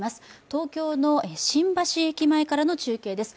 東京の新橋駅前からの中継です。